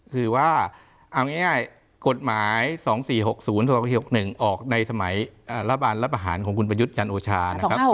คือว่าเอาง่ายกฎหมาย๒๔๖๐๒๖๖๑ออกในสมัยละบานละบหารของคุณประยุทธ์ยันโอชา